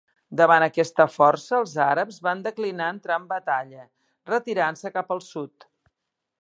Davant aquesta força, els àrabs van declinar entrar en batalla, retirant-se cap al sud.